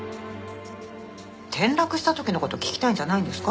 転落した時の事聞きたいんじゃないんですか？